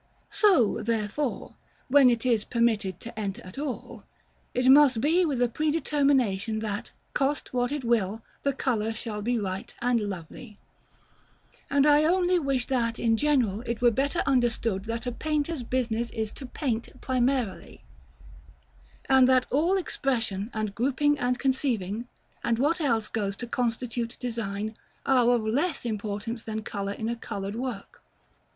So, therefore, when it is permitted to enter at all, it must be with the predetermination that, cost what it will, the color shall be right and lovely: and I only wish that, in general, it were better understood that a painter's business is to paint, primarily; and that all expression, and grouping, and conceiving, and what else goes to constitute design, are of less importance than color, in a colored work.